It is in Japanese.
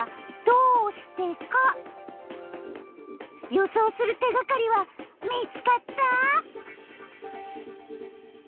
予想する手がかりは見つかった？